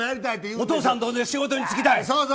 お父さんと同じ仕事に就きたい。